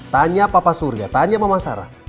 tanya papa surya tanya mama sarah